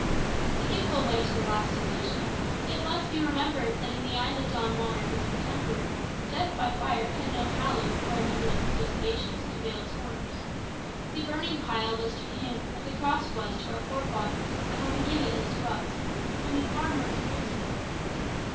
To give full weight to the last allusion, it must be remembered that in the eyes of Don Juan and his cotemporaries, death by fire had no hallowed or ennobling associations to veil its horrors. The burning pile was to him what the cross was to our forefathers, and what the gibbet is to us, only far more disgraceful.